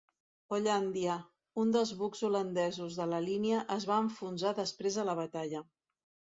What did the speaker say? "Hollandia", un dels bucs holandesos de la línia, es va enfonsar després de la batalla.